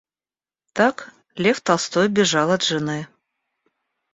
Так, Лев Толстой бежал от жены.